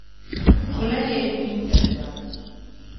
خوله يې جينګه سوه.